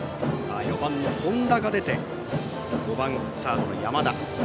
４番の本田が出て５番、サードの山田。